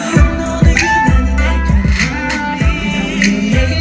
เยี่ยมมาก